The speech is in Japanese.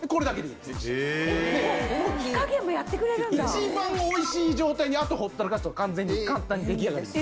一番美味しい状態にあとはほったらかすと完全に簡単に出来上がります。